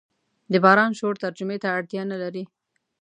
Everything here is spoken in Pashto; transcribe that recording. د باران شور ترجمې ته اړتیا نه لري.